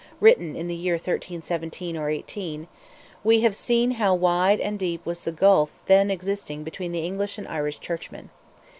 written in the year 1317 or '18, we have seen how wide and deep was the gulf then existing between the English and Irish churchmen.